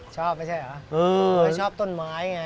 ชอบไม่ใช่เหรอชอบต้นไม้ไง